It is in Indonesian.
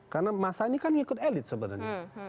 karena masa ini kan ikut elit sebenarnya